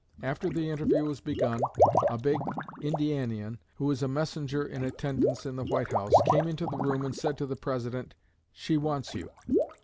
After the interview was begun, a big Indianian, who was a messenger in attendance in the White House, came into the room and said to the President, 'She wants you.'